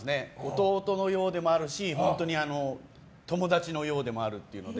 弟のようでもあるし本当に友達のようでもあるっていうので。